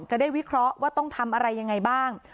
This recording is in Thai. วิเคราะห์ว่าต้องทำอะไรยังไงบ้าง